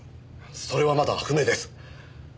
それはまだ不明です。